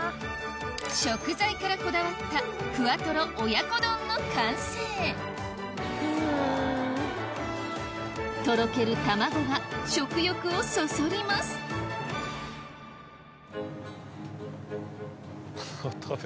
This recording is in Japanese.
食材からこだわったふわとろ親子丼の完成とろける卵が食欲をそそりますあっ